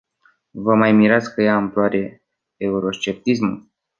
Vă mai mirați că ia amploare euroscepticismul?